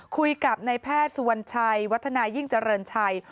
คุยกับนายแพทย์สุวรรณชัยวัฒนายิ่งเจริญชัย